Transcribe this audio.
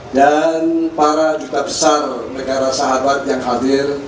dan para juta besar negara sahabat yang hadir